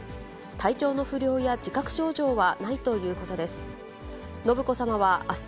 体調の不良や自覚症状はないということです。